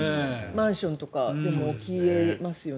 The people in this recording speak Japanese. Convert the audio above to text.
マンションとかでも起き得ますよね。